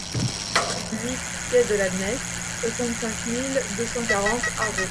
huit quai de la Neste, soixante-cinq mille deux cent quarante Arreau